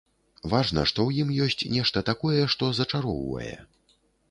Важна, што ў ім ёсць нешта такое, што зачароўвае.